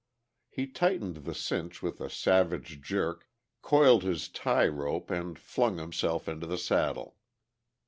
He tightened the cinch with a savage jerk, coiled his tie rope and flung himself into the saddle.